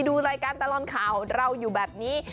ดูรายการตลอดค่าเช่นแบบนี้